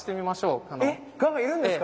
蛾がいるんですか？